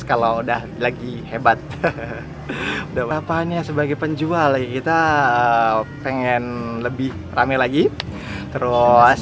kalau udah lagi hebat udah bapaknya sebagai penjual kita pengen lebih rame lagi terus